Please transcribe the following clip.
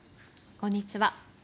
こんにちは。